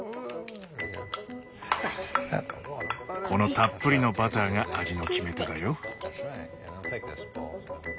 このたっぷりのバターが味の決め手だよ。